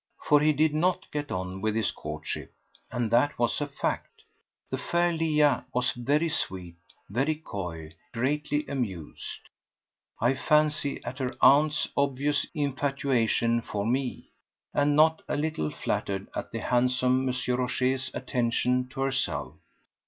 For he did not get on with his courtship, and that was a fact. The fair Leah was very sweet, very coy, greatly amused, I fancy, at her aunt's obvious infatuation for me, and not a little flattered at the handsome M. Rochez's attentions to herself.